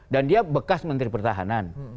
dia bekas menteri pertahanan